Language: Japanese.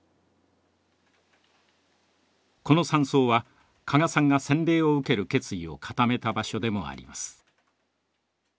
この山荘は加賀さんが洗礼を受ける決意を固めた場所でもあります。